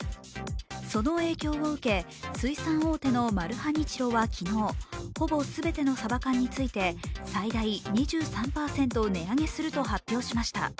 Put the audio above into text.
その影響を受け、水産大手のマルハニチロは昨日、ほぼすべてのさば缶について最大２３％を値上げすると発表しました。